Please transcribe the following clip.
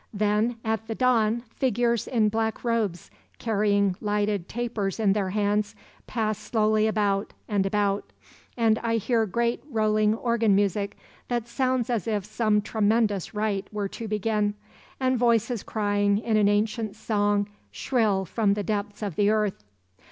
"Then at the dawn figures in black robes, carrying lighted tapers in their hands pass slowly about and about; and I hear great rolling organ music that sounds as if some tremendous rite were to begin, and voices crying in an ancient song shrill from the depths of the earth.